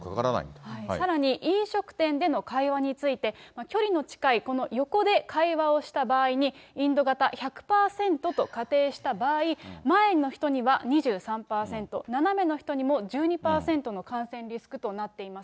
さらに、飲食店での会話について、距離の近いこの横で会話をした場合に、インド型１００％と仮定した場合、前の人には２３％、斜めの人にも１２％の感染リスクとなっています。